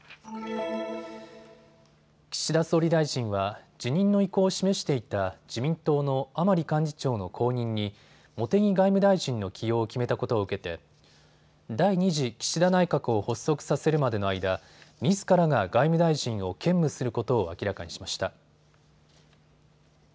岸田総理大臣は辞任の意向を示していた自民党の甘利幹事長の後任に茂木外務大臣の起用を決めたことを受けて第２次岸田内閣を発足させるまでの間、みずからが外務大臣を兼務することを明らかにしました。